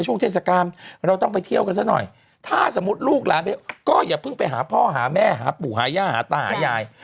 ช่วงเทศกาลเราต้องไปเที่ยวกันซะหน่อยถ้าสมมุติลูกหลานไปก็อย่าเพิ่งไปหาพ่อหาแม่หาปู่หาย่าหาตาหายาย